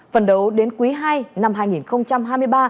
phần đầu đến quý ii năm hai nghìn hai mươi ba